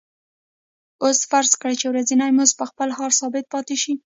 اوس فرض کړئ چې ورځنی مزد په خپل حال ثابت پاتې شي